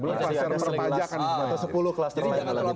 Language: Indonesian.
belum cluster merupakan pajak kan